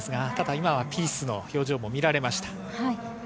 今、ピースの表情も見られました。